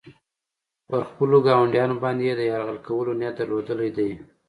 پر خپلو ګاونډیانو باندې یې د یرغل کولو نیت درلودلی دی.